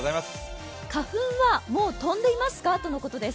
花粉はもう飛んでいますか？とのことです。